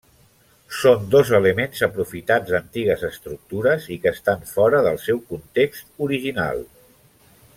Són dos elements aprofitats d'antigues estructures i que estan fora del seu context original.